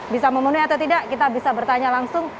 bisa memenuhi atau tidak kita bisa bertanya langsung